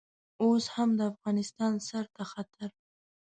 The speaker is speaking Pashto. اوس هم د افغانستان سر ته خطر.